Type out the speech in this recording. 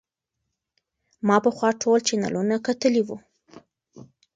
ما پخوا ټول چینلونه کتلي وو.